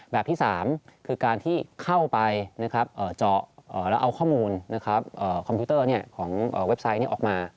แบบที่๓คือการที่เข้าไปเจาะแล้วเอาข้อมูลคอมพิวเตอร์ของเว็บไซต์ออกมา